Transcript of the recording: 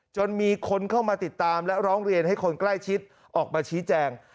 จนมีคนเข้ามาติดตามและร้องเรียนให้คนใกล้ชิดออกมาชี้แจง